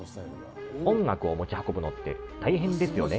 音楽を持ち運ぶのって、大変ですよね。